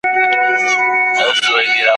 د زلمي ساقي له لاسه جام پر مځکه پرېوتلی `